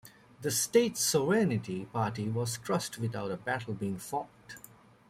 The States' sovereignty party was crushed without a battle being fought.